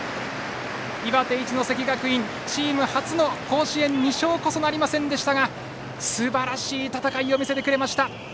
岩手・一関学院チーム初の甲子園２勝こそなりませんでしたがすばらしい戦いを見せてくれました。